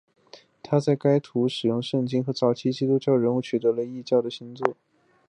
他在该图中用圣经和早期基督徒人物取代了异教的星座。